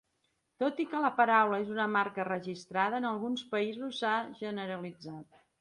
Tot i que la paraula és una marca registrada, en alguns països s'ha generalitzat.